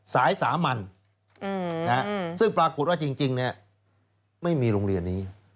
สายสามัญซึ่งปรากฏว่าจริงไม่มีโรงเรียนนี้